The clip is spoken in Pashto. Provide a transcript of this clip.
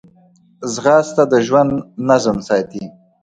ځغاسته د ژوند نظم ساتي